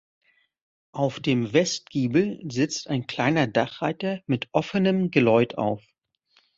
Auf dem Westgiebel sitzt ein kleiner Dachreiter mit offenem Geläut auf.